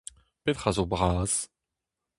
Petra zo bras ?